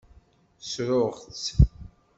Ssruɣ-tt.